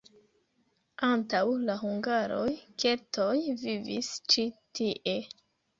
Antaŭ la hungaroj keltoj vivis ĉi tie.